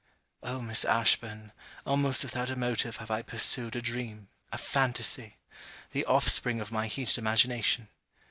Oh, Miss Ashburn, almost without a motive have I pursued a dream, a phantasy! The offspring of my heated imagination.